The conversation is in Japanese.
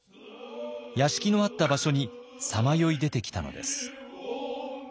屋敷のあった場所にさまよい出てきたのです。